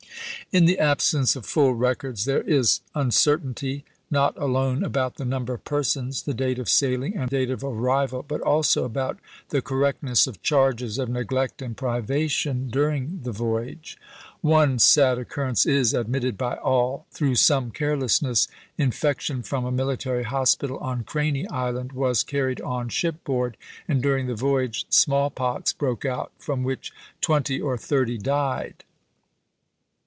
In the absence of full records, there is uncer tainty, not alone about the number of persons, the date of sailing, and date of arrival, but also about the correctness of charges of neglect and privation during the voyage. One sad occurrence is ad mitted by all. Through some carelessness, infec tion from a military hospital on Craney Island was carried on ship board, and during the voyage small pox broke out, from which twenty or thu'ty died.